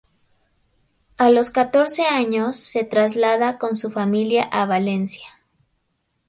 A los catorce años, se traslada con su familia a Valencia.